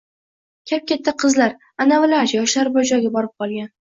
Kap-katta qizlar – anavilar-chi, yoshlari bir joyga borib qolgan